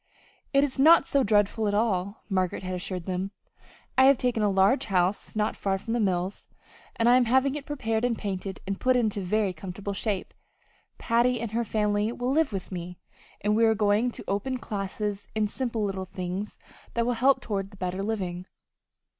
"It is not so dreadful at all," Margaret had assured them. "I have taken a large house not far from the mills, and I am having it papered and painted and put into very comfortable shape. Patty and her family will live with me, and we are going to open classes in simple little things that will help toward better living."